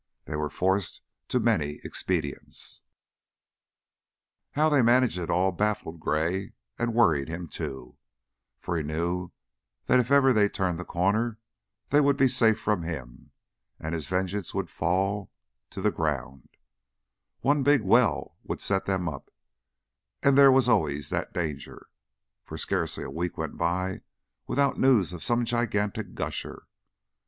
They were forced to many expedients. How they managed it at all baffled Gray, and worried him, too, for he knew that if ever they turned the corner they would be safe from him, and his vengeance would fall [Illustration: NEVER HAD HE FELT "BOB" TO BE SO CLOSE TO HIM AS ON THIS DAY] to the ground. One big well would set them up, and there was always that danger, for scarcely a week went by without news of some gigantic gusher.